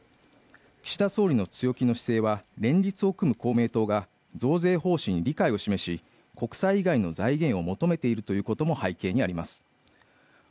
岸田総理の強気の姿勢は連立を組む公明党が増税方針に理解を示し国債以外の財源を求めているということも背景にあります